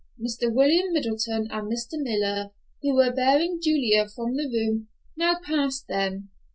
Mr. William Middleton and Mr. Miller, who were bearing Julia from the room, now passed them.